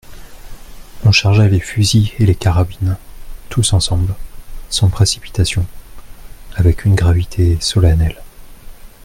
On chargea les fusils et les carabines, tous ensemble, sans précipitation, avec une gravité solennelle.